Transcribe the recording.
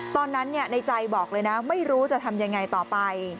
ตอนนั้นในใจบอกเลยนะไม่รู้จะทำอย่างไรต่อไป